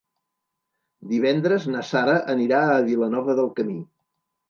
Divendres na Sara anirà a Vilanova del Camí.